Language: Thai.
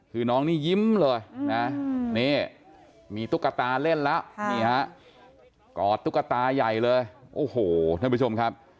คือน้องนี้ยิ้มเลยมีตุ๊กตาเล่นแล้วกอดตุ๊กตาใหญ่เลยท่านผู้ชมครับ